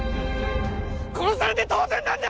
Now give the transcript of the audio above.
殺されて当然なんだ！！